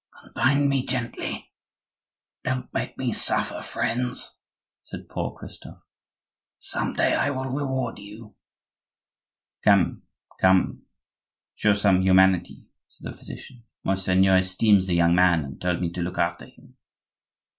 "Unbind me gently; don't make me suffer, friends," said poor Christophe. "Some day I will reward you—" "Come, come, show some humanity," said the physician. "Monseigneur esteems the young man, and told me to look after him."